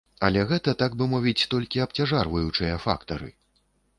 Але гэта, так бы мовіць, толькі абцяжарваючыя фактары.